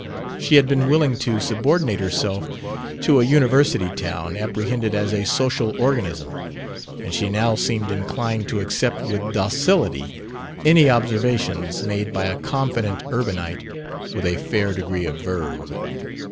She had been willing to subordinate herself to a university town apprehended as a social organism, and she now seemed inclined to accept with docility any observations made by a confident urbanite with a fair degree of verve.